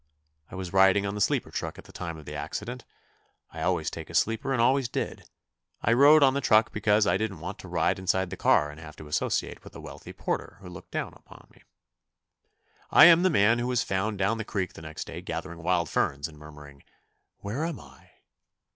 I was riding on the sleeper truck at the time of the accident. I always take a sleeper and always did. I rode on the truck because I didn't want to ride inside the car and have to associate with a wealthy porter who looked down upon me. I am the man who was found down the creek the next day gathering wild ferns and murmuring, "Where am I?"